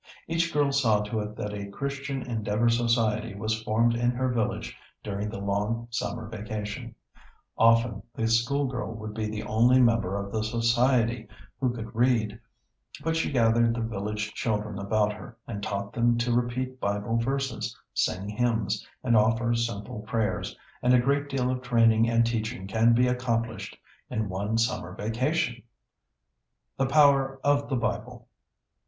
Each girl saw to it that a Christian Endeavor Society was formed in her village during the long summer vacation. Often the school girl would be the only member of the Society who could read, but she gathered the village children about her, and taught them to repeat Bible verses, sing hymns, and offer simple prayers, and a great deal of training and teaching can be accomplished in one summer vacation! [Sidenote: The power of the Bible.